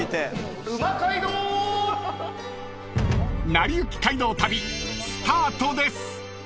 ［『なりゆき街道旅』スタートです］